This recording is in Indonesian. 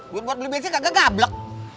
buat beli bensin kagak gablek